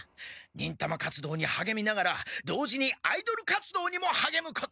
忍たま活動にはげみながら同時にアイドル活動にもはげむことを。